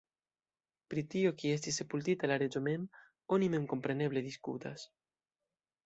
Pri tio, kie estis sepultita la reĝo mem, oni memkompreneble diskutas.